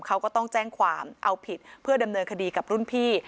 เขาก็ต้องแจ้งความเอาผิดเพื่อดำเนินคดีกับรุ่นพี่